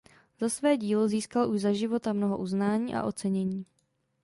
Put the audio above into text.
Za své dílo získal už za života mnoho uznání a ocenění.